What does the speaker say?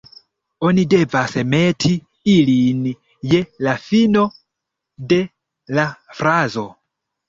Oni devas meti ilin je la fino de la frazo